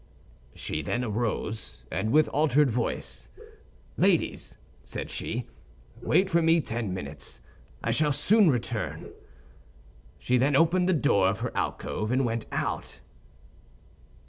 "She then arose, and with altered voice, 'Ladies,' said she, 'wait for me ten minutes, I shall soon return.' She then opened the door of her alcove, and went out."